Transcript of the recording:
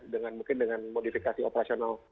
dengan mungkin dengan modifikasi operasional